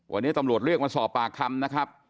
วันนี้ตำรวจเรียกมาสอบปากคำนะครับ